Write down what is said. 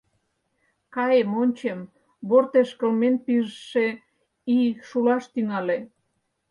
Каем, ончем — бортеш кылмен пижше ий шулаш тӱҥале.